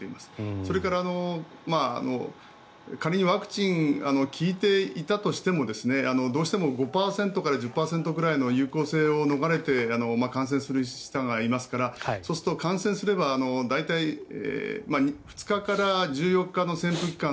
それから、仮にワクチンが効いていたとしてもどうしても５％から１０％くらいの有効性を逃れて感染する人もいますからそうすると、感染すれば大体２日から１４日の潜伏期間